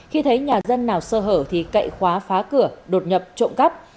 khi thấy nhà dân nào sơ hở thì cậy khóa phá cửa đột nhập trộm cắp